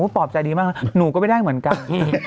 ปลอบใจดีมากหนูก็ไม่ได้เหมือนกันพี่